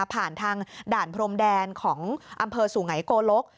ผ่านทางด่านพรมแดนของอำเภอสุไงโกลก